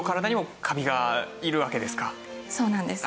今のそうなんです。